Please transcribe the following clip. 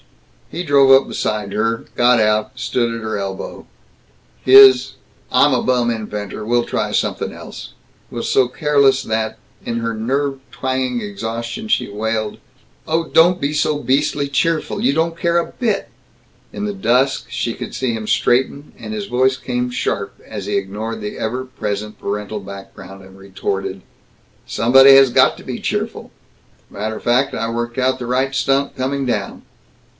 He drove up beside her, got out, stood at her elbow. His "I'm a bum inventor. We'll try somethin' else" was so careless that, in her nerve twanging exhaustion she wailed, "Oh, don't be so beastly cheerful! You don't care a bit!" In the dusk she could see him straighten, and his voice came sharp as he ignored the ever present parental background and retorted, "Somebody has got to be cheerful. Matter fact, I worked out the right stunt, coming down."